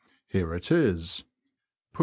Here it is: Put ^Ib.